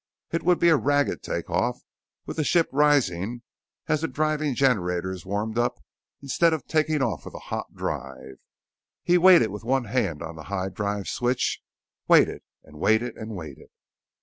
It would be a ragged take off, with the ship rising as the driving generators warmed up instead of taking off with a hot drive. He waited with one hand on the high drive switch, waited and waited and waited.